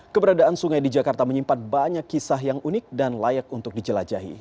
keberadaan sungai di jakarta menyimpan banyak kisah yang unik dan layak untuk dijelajahi